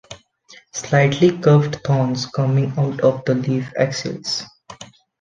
Slightly curved thorns coming out of the leaf axils.